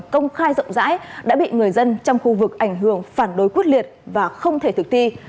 công khai rộng rãi đã bị người dân trong khu vực ảnh hưởng phản đối quyết liệt và không thể thực thi